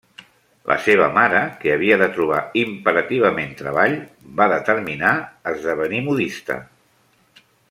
La seva mare, que havia de trobar imperativament treball, va determinar esdevenir modista.